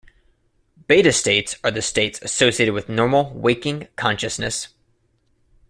Beta states are the states associated with normal waking consciousness.